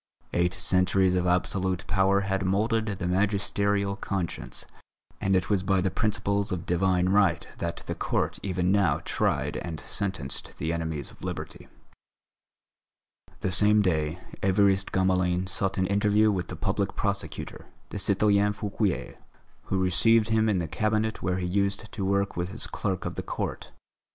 Eight centuries of absolute power had moulded the magisterial conscience, and it was by the principles of Divine Right that the Court even now tried and sentenced the enemies of Liberty. The same day Évariste Gamelin sought an interview with the Public Prosecutor, the citoyen Fouquier, who received him in the Cabinet where he used to work with his clerk of the court.